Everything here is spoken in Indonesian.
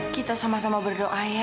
kita sama sama berdoa ya